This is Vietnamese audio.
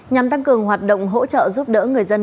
nhằm tăng cường hoạt động hỗ trợ giúp đỡ người dân